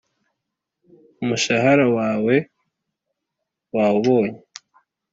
umushahara wawe wawubonye”